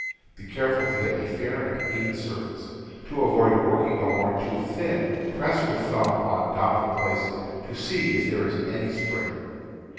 Be careful to get a fair and even surface. To avoid work ing the horn too thin, press with thumb on doubtful places to see if there is any spring.